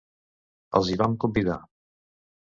Els hi vam convidar.